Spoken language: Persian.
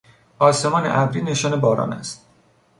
آسمان ابری نشان باران است.